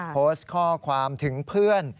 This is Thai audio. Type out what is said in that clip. โพสต์ข้อความถึงเพื่อน